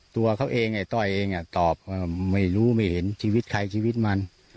ตัวเขาเองไอ้ต้อยเองตอบว่าไม่รู้ไม่เห็นชีวิตใครชีวิตมัน